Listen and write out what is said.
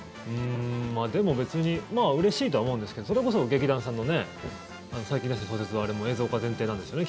でも、別にまあうれしいとは思うんですけどそれこそ劇団さんのね最近出した小説もあれも映像化前提なんですよね？